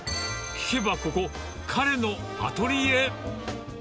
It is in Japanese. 聞けばここ、彼のアトリエ。